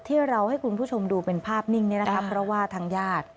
ที่เราให้คุณผู้ชมดูเป็นภาพนิ่งนี้นะครับเพราะว่าทางญาติ